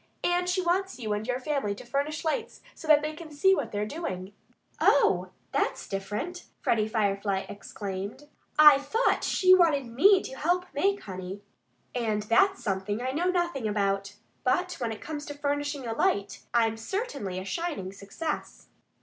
And she wants you and your family to furnish lights so they can see what they're doing." "Oh! That's different!" Freddie Firefly exclaimed. "I thought she wanted me to help make honey. And that's something I know nothing about. ... But when it comes to furnishing a light, I'm certainly a shining success."